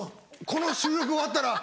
この収録終わったら。